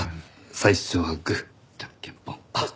最初はグージャンケンポン。